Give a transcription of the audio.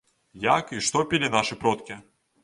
Як і што пілі нашы продкі?